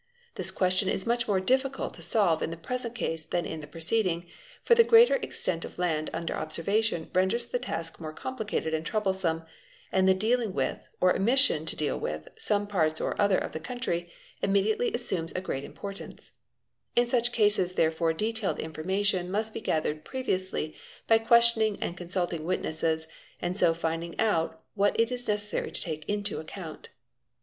This question is much more difficult to solve in the present case than in the preceding, for the greater extent of land under observation renders the task more i AR LAL a we I ll hme DALE A AALAND ARIA A RF RED RRNA RRR ES .' 7 Patt 7 ._————— a ; of complicated and troublesome, and the dealing with, or omission to deal with, some part or other of the country, immediately assumes a great importance. In such cases therefore detailed information must be gathered previously by questioning and consulting witnesses and so finding out what it is necessary to take into account.